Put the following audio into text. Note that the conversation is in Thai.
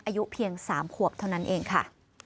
อายุเพียง๓ขวบเท่านั้นเองค่ะ